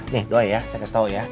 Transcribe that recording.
nih doa ya saya kasih tau ya